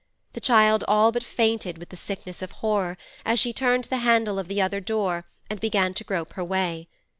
The child all but fainted with the sickness of horror as she turned the handle of the other door and began to grope her way.